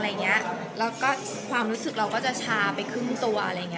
แล้วก็ความรู้สึกเราก็จะชาไปครึ่งตัว